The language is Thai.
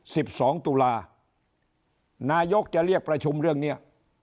สิบสองตุลานายกจะเรียกประชุมเรื่องเนี้ย